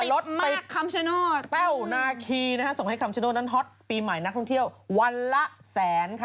รถติดคำชโนธแต้วนาคีส่งให้คำชโนธนั้นฮอตปีใหม่นักท่องเที่ยววันละแสนค่ะ